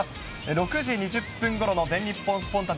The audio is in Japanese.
６時２０分ごろの全日本スポンタっ！